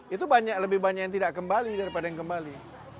itu lebih banyak yang tidak kembali daripada yang kembali